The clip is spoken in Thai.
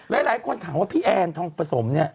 หลายคนถามว่าพี่แอนทองประสมเนี่ย